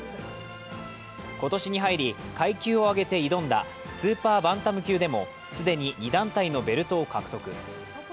今年に入り階級を上げて挑んだスーパーバンタム級でも、既に２団体のベルトを獲得。